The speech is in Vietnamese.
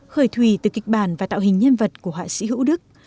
khởi thủy từ kịch bản và tạo hình nhân vật của họa sĩ hữu đức